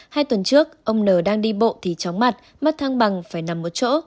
hai tuần trước ông n đang đi bộ thì chóng mặt mắt thăng bằng phải nằm một chỗ